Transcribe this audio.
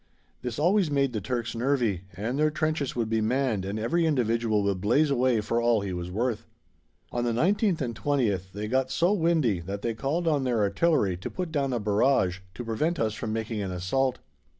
This always made the Turks nervy, and their trenches would be manned and every individual would blaze away for all he was worth. On the 19th and 20th they got so "windy" that they called on their artillery to put down a barrage to prevent us from making an assault.